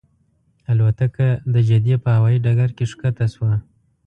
الوتکه د جدې په هوایي ډګر کې ښکته شوه.